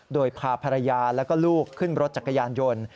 โดยพาภรรยาแล้วก็ลูกขึ้นรถจักรยานยนต์